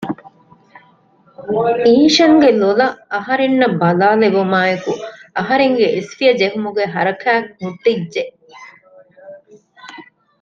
އީޝަންގެ ލޮލަށް އަހަރެންނަށް ބަލާލެވުމާއެކު އަހަރެންގެ އެސްފިޔަ ޖެހުމުގެ ހަރަކާތް ހުއްޓިއްޖެ